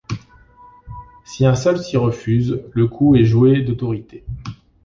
Si un seul s'y refuse, le coup est joué d'autorité.